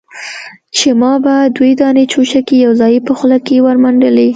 چې ما به دوې دانې چوشکې يوځايي په خوله کښې ورمنډلې.